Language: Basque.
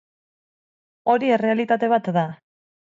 Hori errealitate bat da.